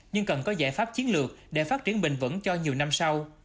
nhưng cần có giải pháp chiến lược để phát triển bình vẩn cho nhiều năm sau